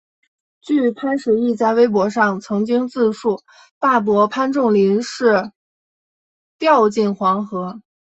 据潘石屹在微博上曾经自述大伯潘钟麟是掉进黄河。